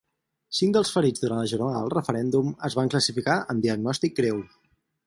Cinc dels ferits durant la jornada del referèndum es van classificar en diagnòstic greu.